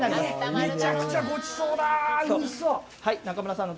めちゃくちゃごちそうだ！